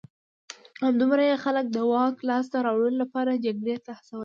همدومره یې خلک د واک لاسته راوړلو لپاره جګړې ته هڅول